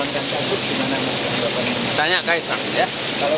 tanya ks ang ya kalau dari keluarga